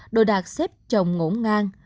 đồ đạc xếp chồng ngỗ ngang